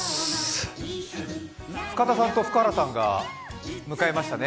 深田さんと福原さんが向かいましたね。